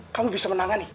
kamu bisa menangani